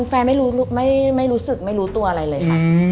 แฟนไม่รู้สึกไม่รู้ตัวอะไรเลยค่ะ